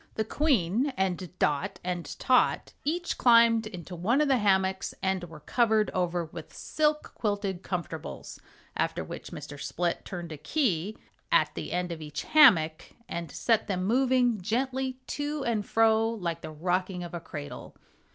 The Queen and Dot and Tot each climbed into one of the hammocks and were covered over with silk quilted comfortables, after which Mr. Split turned a key at the end of each hammock and set them moving gently to and fro like the rocking of a cradle.